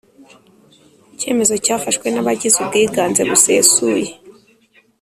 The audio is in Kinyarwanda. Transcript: Icyemezo cyafashwe n abagize ubwiganze busesuye